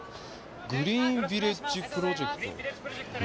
グリーンビレッジプロジェクト。